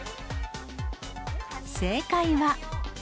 正解は。